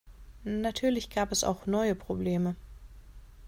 Natürlich gab es auch neue Probleme.